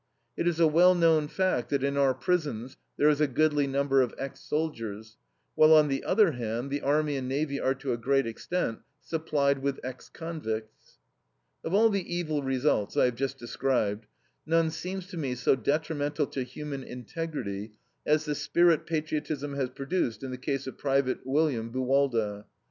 It is a well known fact that in our prisons there is a goodly number of ex soldiers; while on the other hand, the army and navy are to a great extent supplied with ex convicts. Of all the evil results, I have just described, none seems to me so detrimental to human integrity as the spirit patriotism has produced in the case of Private William Buwalda.